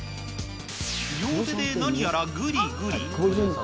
両手で何やらぐりぐり。